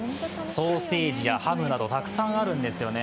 ソーセージやハムなどたくさんあるんですよね。